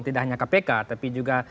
tidak hanya kpk tapi juga